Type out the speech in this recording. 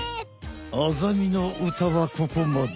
「あざみの歌」はここまで。